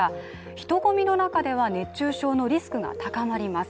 人混みの中では熱中症のリスクが高まります。